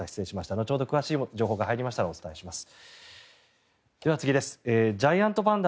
先ほど、詳しい情報が入りましたらお伝えします。